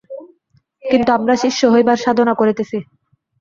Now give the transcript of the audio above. কিন্তু আমরা শিষ্য হইবার সাধনা করিতেছি।